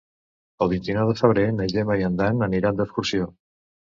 El vint-i-nou de febrer na Gemma i en Dan aniran d'excursió.